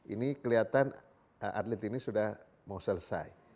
ini kelihatan atlet ini sudah mau selesai